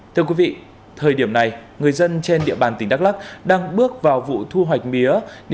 thưa quý vị thời điểm này người dân trên địa bàn tỉnh đắk lắk đang bước vào vụ tiêu dùng lựa chọn